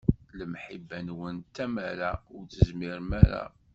Lemḥiba-nwen d tamara, ur tezmirem ara.